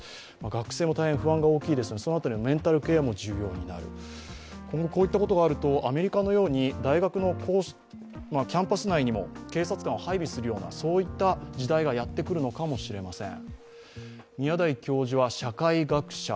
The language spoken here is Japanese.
学生も大変不安が大きいですけど、そのあたりのメンタルケアも重要になる今後、こういったことがあるとアメリカのように大学のキャンパス内にも警察官を配備するような時代がやってくるのかもしれません。